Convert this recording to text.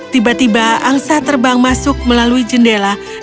tiba tiba angsa terbang masuk melalui jendela dan menjatuhkan diri